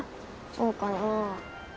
そうかな？